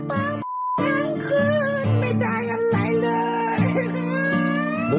หากุ้งหาป้าตั้งคืนไม่ได้อะไรเลย